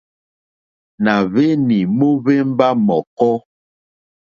Nà hwenì mohvemba mɔ̀kɔ.